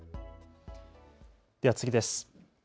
では次です。